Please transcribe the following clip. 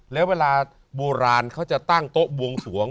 แล้วเวลาโบราณเขาจะตั้งโต๊ะบวงสวง